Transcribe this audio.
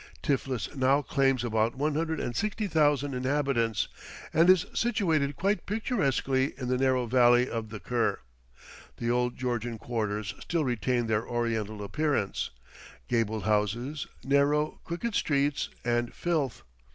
Tiflis now claims about one hundred and sixty thousand inhabitants, and is situated quite picturesquely in the narrow valley of the Kur. The old Georgian quarters still retain their Oriental appearance gabled houses, narrow, crooked streets, and filth.